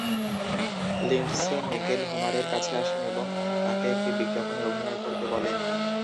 Lindsay Naegle হোমারের কাছে আসেন এবং তাকে একটি বিজ্ঞাপনে অভিনয় করতে বলেন।